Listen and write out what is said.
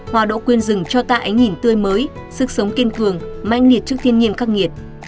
hoa đỗ quyền rừng cho ta ánh nhìn tươi mới sức sống kiên cường manh liệt trước thiên nhiên khắc nghiệt